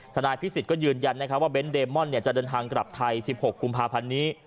นายพิสิทธิ์ก็ยืนยันว่าเน้นเดมอนจะเดินทางกลับไทย๑๖กุมภาพันธ์นี้